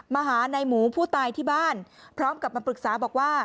มาหาในหมูผู้ตายที่บ้านพร้อมกับมาปรึกษาบอกว่า